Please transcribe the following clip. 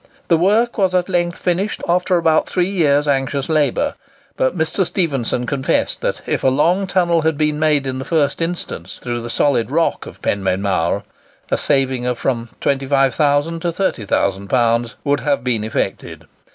The work was at length finished after about three years' anxious labour; but Mr. Stephenson confessed that if a long tunnel had been made in the first instance through the solid rock of Penmaen Mawr, a saving of from £25,000 to £30,000 would have been effected.